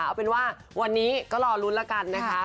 เอาเป็นว่าวันนี้ก็รอลุ้นละกันนะคะ